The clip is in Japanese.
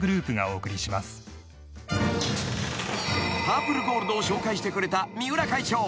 ［パープルゴールドを紹介してくれた三浦会長］